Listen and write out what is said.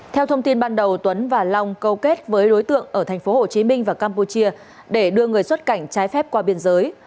theo thông tin ban đầu tuấn và long câu kết với đối tượng ở tp hcm và campuchia để đưa người xuất cảnh trái phép qua biên giới